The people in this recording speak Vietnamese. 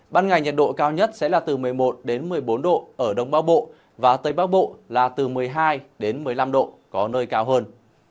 ban ngày nhiệt độ cao nhất sẽ là từ một mươi một đến một mươi bốn độ ở đông bắc bộ và tây bắc bộ là từ một mươi hai đến một mươi năm độ có nơi cao hơn